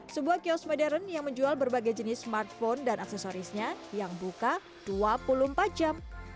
sebuah kios modern yang menjual berbagai jenis smartphone dan aksesorisnya yang buka dua puluh empat jam